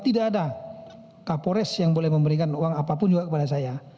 tidak ada kapolres yang boleh memberikan uang apapun juga kepada saya